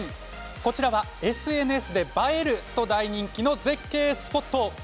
こちらはＳＮＳで映えると大人気の絶景スポット。